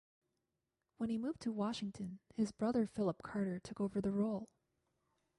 When he moved to Washington his brother Phillip Carter took over the role.